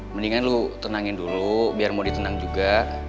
mendingan lo tenangin dulu biar mondi tenang juga